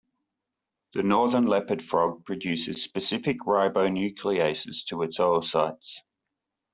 The northern leopard frog produces specific ribonucleases to its oocytes.